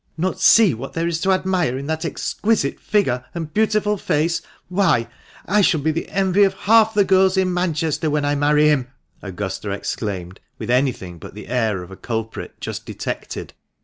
" Not see what there is to admire in that exquisite figure and beautiful face ? Why, I shall be the envy of half the girls in Manchester when I marry him !" Augusta exclaimed, with anything but the air of a culprit just detected.